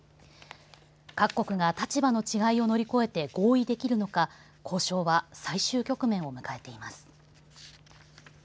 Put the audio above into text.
各国が立場の違いを乗り越えて合意できるのか交渉は最終局面を迎えています。